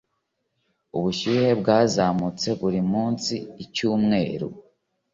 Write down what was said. Ubushyuhe bwazamutse buri munsi icyumweru.